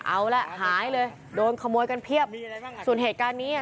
เอาละหายเลยโดนขโมยกันเพียบส่วนเหตุการณ์นี้อ่ะ